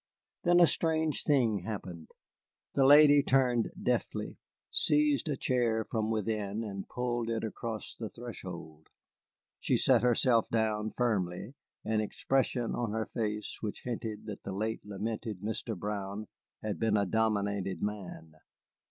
Then a strange thing happened. The lady turned deftly, seized a chair from within, and pulled it across the threshold. She sat herself down firmly, an expression on her face which hinted that the late lamented Mr. Brown had been a dominated man.